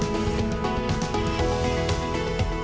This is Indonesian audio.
mbak desi nyanyi